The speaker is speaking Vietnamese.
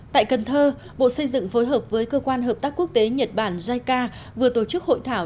tại cần thơ bộ xây dựng phối hợp với cơ quan hợp tác quốc tế nhật bản jica vừa tổ chức hội thảo